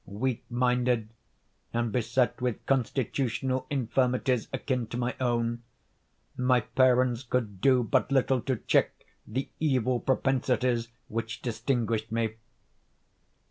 Weak minded, and beset with constitutional infirmities akin to my own, my parents could do but little to check the evil propensities which distinguished me.